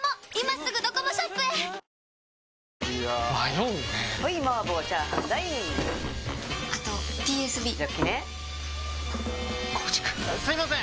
すいません！